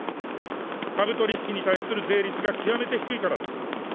株取り引きに対する税率が極めて低いからです。